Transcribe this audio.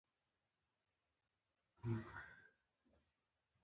او د ګوړې ګرم چای نه خوندونه اخيستل